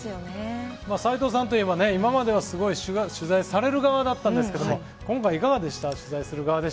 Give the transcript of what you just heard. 斎藤さんといえば、今までは取材される側だったんですが、今回はいかがでしたか。